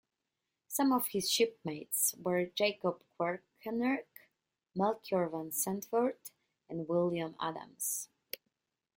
Some of his shipmates were Jacob Quaeckernaeck, Melchior van Santvoort, and William Adams.